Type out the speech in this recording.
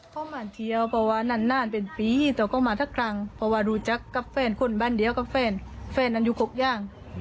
ฟังเสียงผู้สหายค่ะ